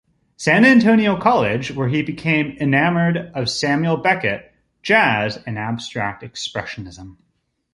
San Antonio College, where he became enamored of Samuel Beckett, jazz, and abstract expressionism.